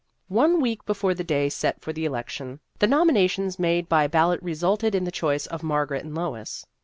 One week before the day set for the election, the nominations made by ballot resulted in the choice of Margaret and Lois.